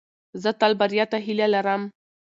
زه تل بریا ته هیله لرم.